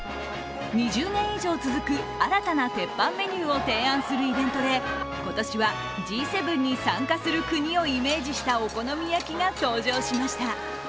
２０年以上続く新たな鉄板メニューを提案するイベントで今年はＧ７に参加する国をイメージしたお好み焼きが登場しました。